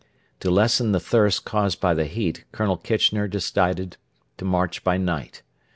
To lessen the thirst caused by the heat Colonel Kitchener decided to march by night.